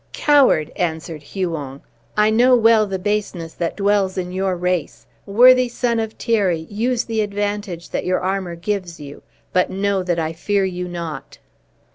"Coward," answered Huon, "I know well the baseness that dwells in your race; worthy son of Thierry, use the advantage that your armor gives you; but know that I fear you not."